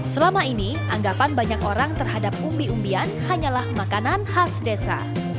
selama ini anggapan banyak orang terhadap umbi umbian hanyalah makanan khas desa